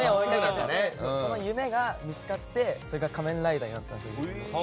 その夢が見つかって、それが仮面ライダーなんです。